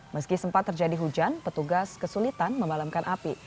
meski sempat terjadi hujan petugas kesulitan memadamkan api